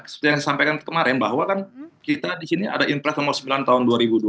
seperti yang saya sampaikan kemarin bahwa kan kita di sini ada impres nomor sembilan tahun dua ribu dua puluh